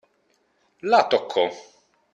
La toccò.